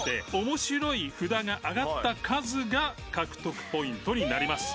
「面白い」札が上がった数が獲得ポイントになります。